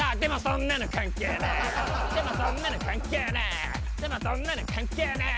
でもそんなの関係ねぇ。